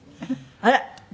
あら！